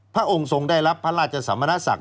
พระองค์ทรงได้รับพระราชสมณศักดิ